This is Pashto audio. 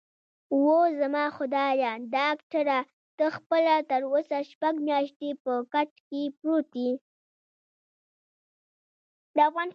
د افغانستان د اقتصادي پرمختګ لپاره پکار ده چې لویې لارې جوړې شي.